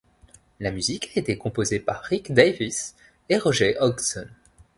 La musique a été composée par Rick Davies et Roger Hodgson.